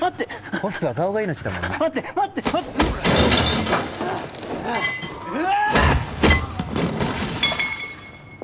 ホストは顔が命だもんな待って待って待ってうわ